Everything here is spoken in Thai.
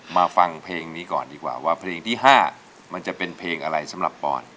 ฟังเพลงนี้ก่อนดีกว่าว่าเพลงที่๕มันจะเป็นเพลงอะไรสำหรับปอน